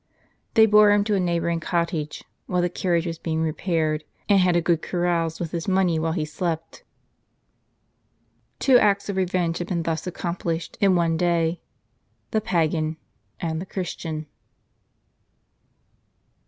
They bore him to a neighboring cottage, while the carriage was being repaired, and had a good carouse with his money while he slept. Two acts of revenge had been thus accomplished in one day, — the pagan and the Christian.